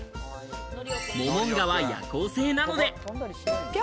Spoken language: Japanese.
モモンガは夜行性なので。